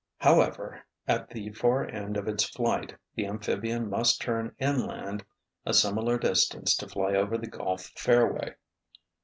However, at the far end of its flight the amphibian must turn inland a similar distance to fly over the golf fairway.